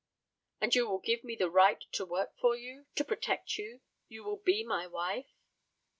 "And you will give me the right to work for you to protect you? You will be my wife?"